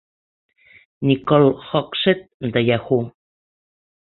Nicole Hogsett de Yahoo!